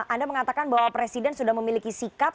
anda mengatakan bahwa presiden sudah memiliki sikap